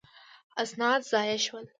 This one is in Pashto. اسناد ضایع شول.